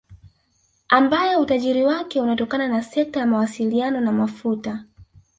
Ambaye utajiri wake unatokana na sekta ya mawasiliano na mafuta